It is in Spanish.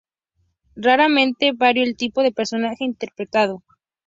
Raramente varió el tipo de personaje interpretado.